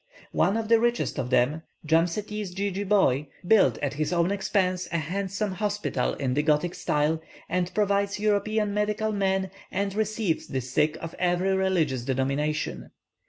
One of the richest of them Jamsetize Jeejeebhoy built, at his own expense, a handsome hospital in the Gothic style, and provides European medical men and receives the sick of every religious denomination.